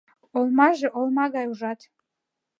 Олмаже олма гай ужат.